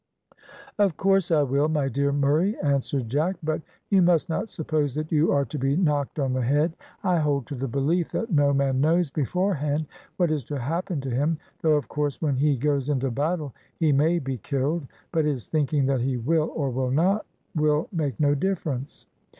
"Of course I will, my dear Murray," answered Jack. "But you must not suppose that you are to be knocked on the head. I hold to the belief that no man knows beforehand what is to happen to him, though, of course, when he goes into battle, he may be killed, but his thinking that he will or will not will make no difference."